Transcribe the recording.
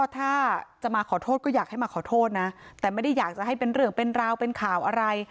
ถ้าจะมาขอโทษก็อยากให้มาขอโทษนะแต่ไม่ได้อยากจะให้เป็นเรื่องเป็นราวเป็นข่าวอะไร